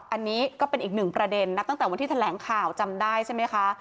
อันนี้ก็เป็นอีกหนึ่งประเด็นนับตั้งแต่วันที่แถลงข่าวจำได้ใช่ไหมคะ